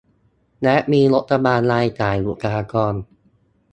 และมีงบประมาณรายจ่ายบุคลากร